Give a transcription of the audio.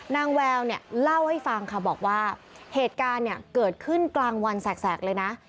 แววเนี่ยเล่าให้ฟังค่ะบอกว่าเหตุการณ์เนี่ยเกิดขึ้นกลางวันแสกเลยนะ